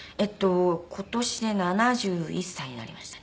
今年で７１歳になりましたね。